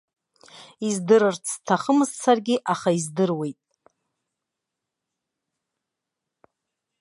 Издырырц сҭахымызт саргьы, аха издыруеит.